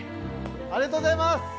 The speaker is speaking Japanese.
ありがとうございます！